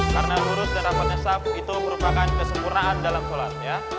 karena lurus dan rapatnya sahab itu merupakan kesempurnaan dalam sholat